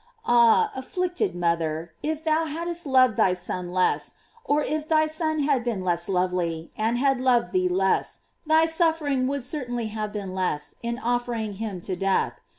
Ah, afflicted mother ! if thou hadst loved thy Son less, or if thy Son had been less lovely, and had loved thee less, thy suffering would certainly have been less in offering him to death.